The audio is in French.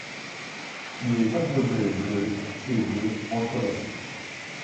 Il est composé de et de entrelacés.